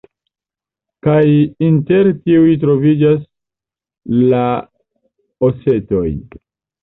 Kaj inter tiuj troviĝas la osetoj.